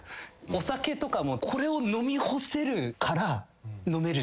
お酒とかもこれを飲み干せるから飲める。